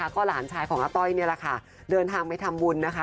ก็หลานชายของอาต้อยนี่แหละค่ะเดินทางไปทำบุญนะคะ